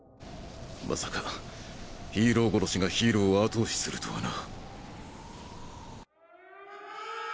まさかヒーロー殺しがヒーローを後押しするとはな。